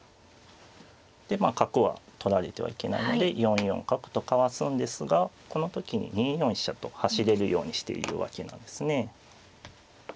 でまあ角は取られてはいけないので４四角とかわすんですがこの時に２四飛車と走れるようにしているわけなんですね。